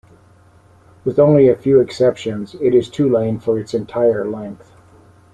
With only a few exceptions, it is two-lane for its entire length.